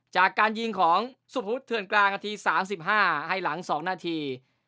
จากการยิงของสุภพฤทธิ์เทือนกลางนาทีสามสิบห้าให้หลังสองนาที